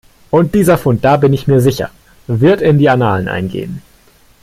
Und dieser Fund, da bin ich mir sicher, wird in die Annalen eingehen.